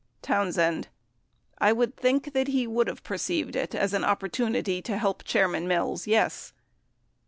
Townsend. ... I would think that he would have per ceived it as an opportunity to help Chairman Mills ; yes.